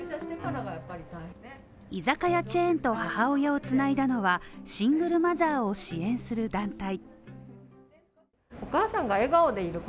居酒屋チェーンと母親を繋いだのは、シングルマザーを支援する団体。